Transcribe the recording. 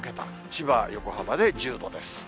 千葉、横浜で１０度です。